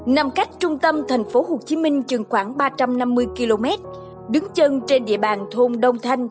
nằm cách trung tâm tp hcm chừng khoảng ba trăm năm mươi km đứng chân trên địa bàn thôn đông thanh